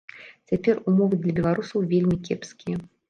Цяпер умовы для беларусаў вельмі кепскія.